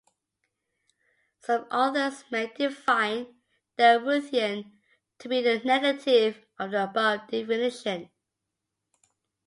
Some authors may define the Routhian to be the negative of the above definition.